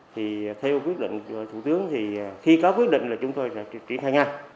thì theo quyết định của thủ tướng thì khi có quyết định là chúng tôi sẽ triển khai ngay